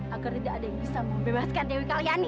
agar tidak ada yang bisa membebaskan dewi karyani